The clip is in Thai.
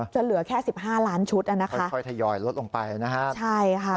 จะเหลือแค่๑๕ล้านชุดค่อยทยอยลดลงไปนะครับ